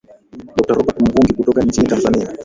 dokta robert mvungi kutoka nchini tanzania